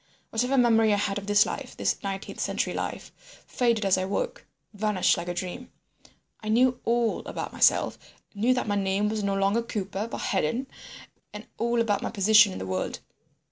Whatever memory I had of this life, this nineteenth century life, faded as I woke, vanished like a dream. I knew all about myself, knew that my name was no longer Cooper but Hedon, and all about my position in the world.